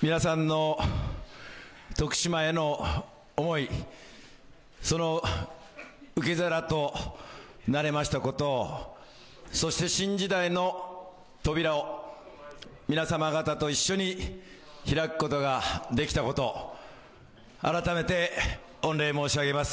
皆さんの徳島への思い、その受け皿となれましたこと、そして、新時代の扉を皆様方と一緒に開くことができたこと、改めて、御礼申し上げます。